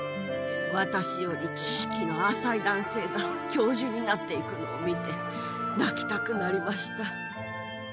私より知識の浅い男性が教授になっていくのを見て、泣きたくなりました。